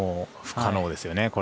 不可能ですよね。